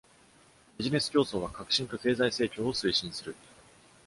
ビジネス競争は革新と経済成長を推進する。